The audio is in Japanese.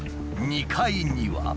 ２階には。